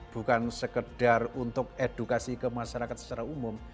bukan sekedar untuk edukasi ke masyarakat secara umum